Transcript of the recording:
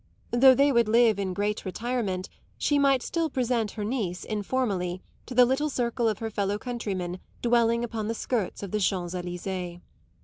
Though they would live in great retirement she might still present her niece, informally, to the little circle of her fellow countrymen dwelling upon the skirts of the Champs Elysées.